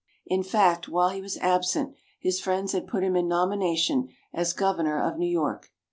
In fact, while he was absent, his friends had put him in nomination as Governor of New York.